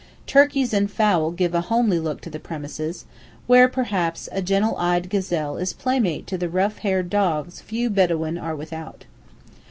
Turkeys and fowl give a homely look to the premises, where perhaps a gentle eyed gazelle is playmate to the rough haired dogs few Bedawīn are without.